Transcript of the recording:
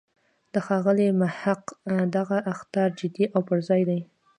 د ښاغلي محق دغه اخطار جدی او پر ځای دی.